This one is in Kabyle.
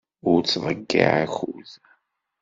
Ur tettḍeyyiɛ akud.